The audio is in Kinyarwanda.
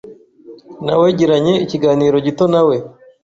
Nawegiranye ikiganiro gito nawe .